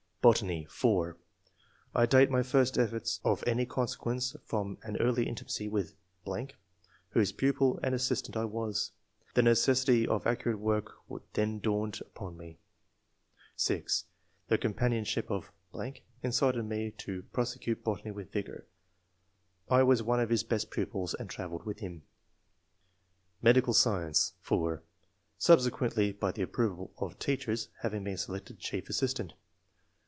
Botany. ^{4c) I date my first efforts of any consequence from an early intimacy with ...., whose pupil and assistant I was; the necessity of accurate work then dawned upon me. (6) The companionship of .... incited me to pro secute botany with vigour ; I was one of his best pupils, and travelled with him. Medical Science. — (4) Subsequently by the approval of teachers, having been selected chief assistant.